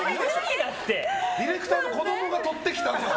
ディレクターの子供がとってきた。